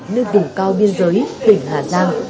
nơi tỉnh cao biên giới tỉnh hà giang